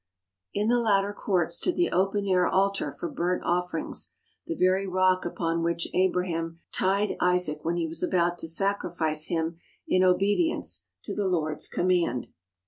In the latter court stood the open air altar for burnt offerings, the very rock upon which Abraham tied Isaac when he was about to sacrifice him in obedience to the Lord's command.